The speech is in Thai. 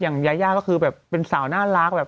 อย่างยาย่าก็คือแบบเป็นสาวน่ารัก